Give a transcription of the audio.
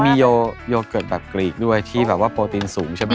มีโยเกิร์ตแบบกรีกด้วยที่แบบว่าโปรตีนสูงใช่ไหม